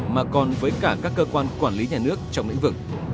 mà còn với cả các cơ quan quản lý nhà nước trong lĩnh vực